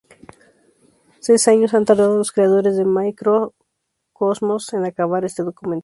Seis años han tardado los creadores de "Microcosmos" en acabar este documental.